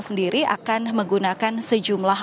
sendiri akan menggunakan sejumlah